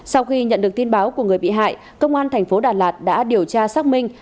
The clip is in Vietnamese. sau khi nhận được tin báo của người bị hại công an thành phố đà lạt đã điều tra xác minh